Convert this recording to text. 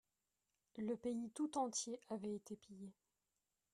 Le pays tout entier avait été pillé.